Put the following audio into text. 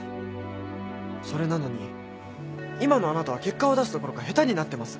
それなのに今のあなたは結果を出すどころか下手になってます。